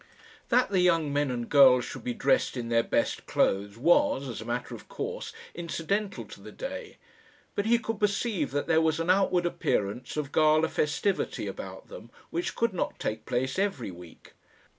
That the young men and girls should be dressed in their best clothes was, as a matter of course, incidental to the day; but he could perceive that there was an outward appearance of gala festivity about them which could not take place every week.